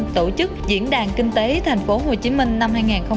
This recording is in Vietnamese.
tổ chức diễn đàn kinh tế tp hcm năm hai nghìn một mươi tám